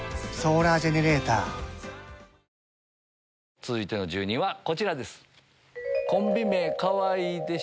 続いての住人はこちらです。